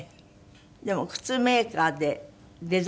でも靴メーカーでデザイン担当も。